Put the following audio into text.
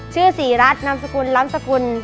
ชื่อศรีรัฐนามสกุลล้ำสกุล